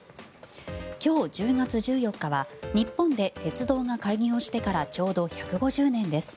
今日１０月１４日は日本で鉄道が開業してからちょうど１５０年です。